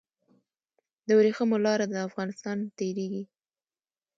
د وریښمو لاره له افغانستان تیریده